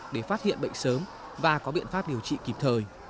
để phát hiện bệnh sớm và có biện pháp điều trị kịp thời